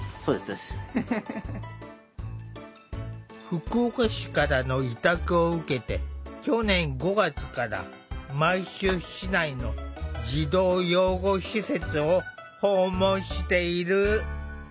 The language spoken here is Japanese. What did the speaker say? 福岡市からの委託を受けて去年５月から毎週市内の児童養護施設を訪問している。